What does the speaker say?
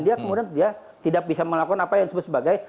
dia kemudian dia tidak bisa melakukan apa yang disebut sebagai